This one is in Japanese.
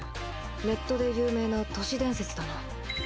ネットで有名な都市伝説だな。